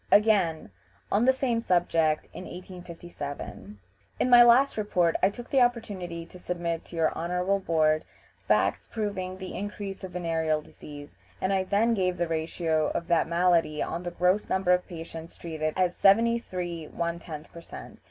" Again, on the same subject in 1857: "In my last report I took the opportunity to submit to your Honorable Board facts proving the increase of venereal disease, and I then gave the ratio of that malady on the gross number of patients treated as 73 1/10 per cent.